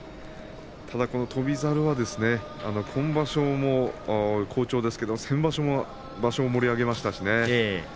翔猿は今場所好調ですけども先場所、場所を盛り上げましたしね。